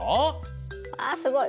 あっすごい。